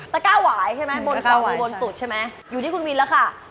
ก้าหวายใช่ไหมบนเขามีบนสุดใช่ไหมอยู่ที่คุณวินแล้วค่ะ